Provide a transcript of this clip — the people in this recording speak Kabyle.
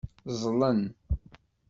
Ẓẓlen.